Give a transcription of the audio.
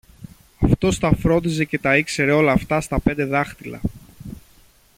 Αυτός τα φρόντιζε και τα ήξερε όλα αυτά στα πέντε δάχτυλα!